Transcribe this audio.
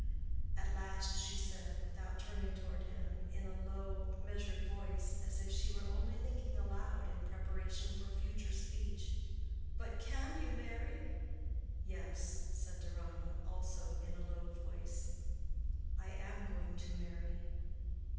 At last she said—without turning toward him—in a low, measured voice, as if she were only thinking aloud in preparation for future speech, "But can you marry?" "Yes," said Deronda, also in a low voice. "I am going to marry."